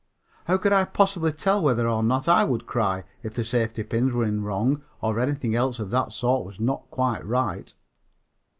How could I possibly tell whether or not I would cry if the safety pins were in wrong or anything else of that sort was not quite right?